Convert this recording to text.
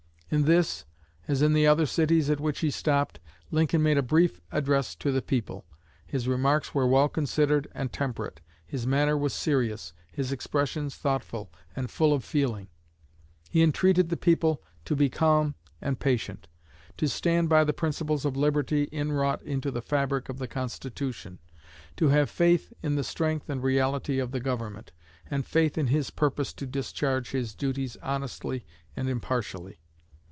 In this, as in the other cities at which he stopped, Lincoln made a brief address to the people. His remarks were well considered and temperate; his manner was serious, his expressions thoughtful and full of feeling. He entreated the people to be calm and patient; to stand by the principles of liberty inwrought into the fabric of the Constitution; to have faith in the strength and reality of the Government, and faith in his purpose to discharge his duties honestly and impartially.